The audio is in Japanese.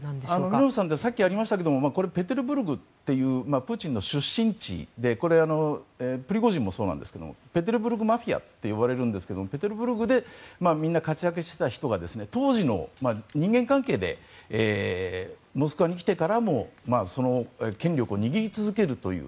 ミロノフさんってさっきありましたがこれ、ペテルブルクというプーチンの出身地でプリゴジンもそうなんですがペテルブルクマフィアと呼ばれるんですがペテルブルクでみんな活躍していた人が当時の人間関係でモスクワに来てからもその権力を握り続けるという。